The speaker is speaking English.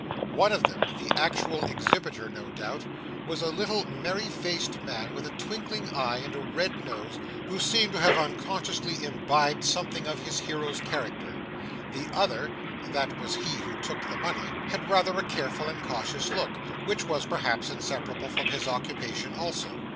One of them, the actual exhibitor no doubt, was a little merry faced man with a twinkling eye and a red nose, who seemed to have unconsciously imbibed something of his hero's character. The other that was he who took the money had rather a careful and cautious look, which was perhaps inseparable from his occupation also.